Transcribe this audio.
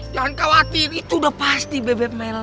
jangan khawatir itu udah pasti bebep melon